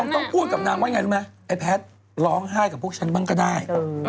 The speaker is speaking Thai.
ต้องพูดกับนางว่าไงรู้ไหมไอ้แพทย์ร้องไห้กับพวกฉันบ้างก็ได้